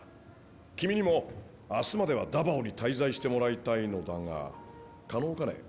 君にも明日まではダバオに滞在してもらいたいのだが可能かね？